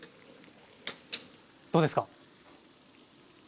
どうですか？